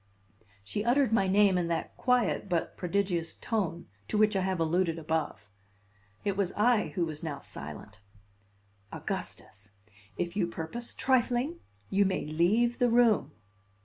She uttered my name in that quiet but prodigious tone to which I have alluded above. It was I who was now silent. "Augustus, if you purpose trifling, you may leave the room."